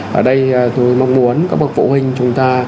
ở đây tôi mong muốn các bậc phụ huynh chúng ta